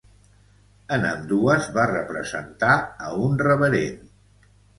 En ambdues, va representar a un reverend.